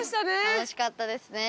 楽しかったですね。